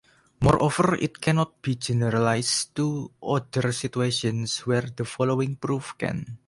Moreover, it cannot be generalized to other situations where the following proof can.